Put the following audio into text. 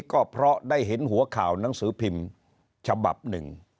ก็เพราะได้เห็นหัวข่าวหนังสือพิมพ์ฉบับหนึ่ง